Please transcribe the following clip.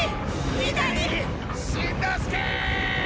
しんのすけー！